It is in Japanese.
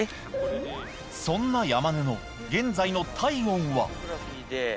そんなヤマネの現在の体温は？